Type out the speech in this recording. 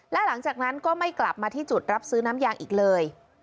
และหลังจากนั้นก็ไม่กลับมาที่จุดรับซื้อน้ำยางอีกเลย